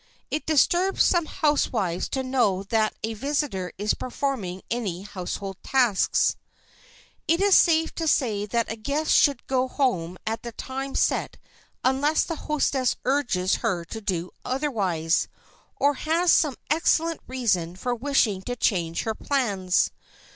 It disturbs some housewives to know that a visitor is performing any household tasks. It is safe to say that a guest should go home at the time set unless the hostess urges her to do otherwise, or has some excellent reason for wishing her to change her plans.